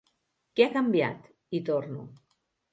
Què ha canviat? —hi torno—.